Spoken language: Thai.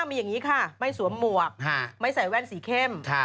มีอย่างนี้ค่ะไม่สวมหมวกไม่ใส่แว่นสีเข้ม